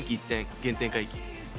原点回帰。